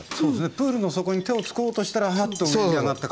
プールの底に手をつこうとしたらハッと浮き上がった感じ。